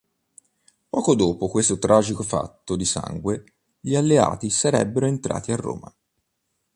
Poco dopo questo tragico fatto di sangue, gli Alleati sarebbero entrati a Roma.